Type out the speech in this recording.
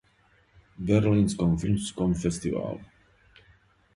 Берлинском филмском фестивалу.